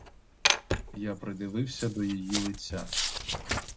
Я придивився до її лиця.